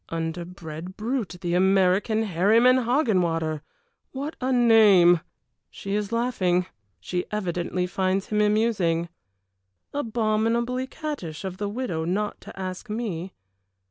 Underbred brute, the American, Herryman Hoggenwater! What a name! She is laughing she evidently finds him amusing. Abominably cattish of the widow not to ask me.